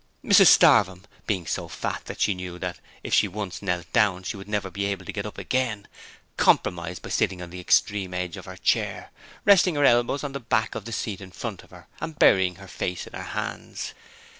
Mrs Starvem, being so fat that she knew if she once knelt down she would never be able to get up again, compromised by sitting on the extreme edge of her chair, resting her elbows on the back of the seat in front of her, and burying her face in her hands.